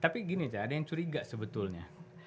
tapi gini cak ada yang curiga sebetulnya